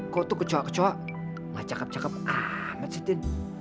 kok tuh kecoa kecoa gak cakep cakep amat sih din